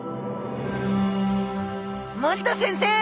森田先生